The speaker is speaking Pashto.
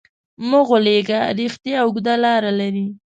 مه غولېږه، رښتیا اوږده لاره لري.